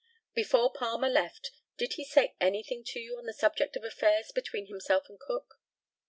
Before Palmer left, did he say anything to you on the subject of affairs between himself and Cook?